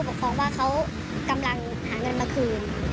ด้วยเขากำลังหาเงินมาคืน